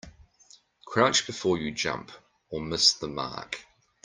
Crouch before you jump or miss the mark.